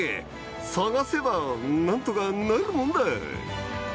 探せば何とかなるもんだ